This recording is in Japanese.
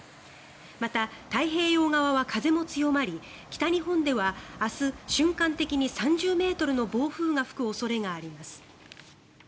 また、太平洋側は風も強まり北日本では明日瞬間的に３０ｍの暴風が吹く恐れがあります。